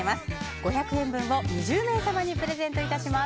５００円分を２０名様にプレゼントいたします。